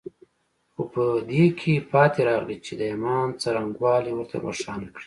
خو په دې کې پاتې راغلي چې د ايمان څرنګوالي ورته روښانه کړي.